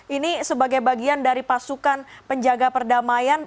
ini sebagai bagian dari pasukan penjaga perdamaian